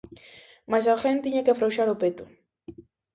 Mais alguén tiña que afrouxar o peto.